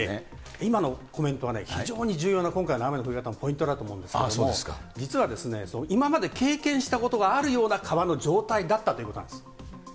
今のコメントは非常に重要な、今回の雨の降り方のポイントだと思うんですけれども、実は、今まで経験したことがあるような川の状態だったということなんです。